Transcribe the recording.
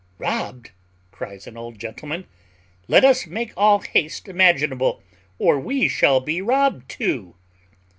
"Robbed!" cries an old gentleman: "let us make all the haste imaginable, or we shall be robbed too."